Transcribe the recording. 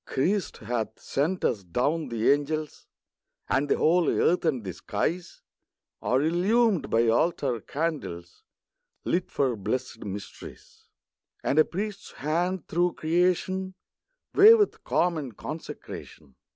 Christ hath sent us down the angels; And the whole earth and the skies Are illumed by altar candles TRUTH. 35 Lit for blessed mysteries ; And a Priest's Hand, through creation, Waveth calm and consecration.